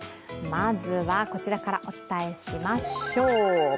まずは、こちらからお伝えしましょう。